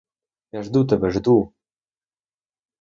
Я жду тебе, жду!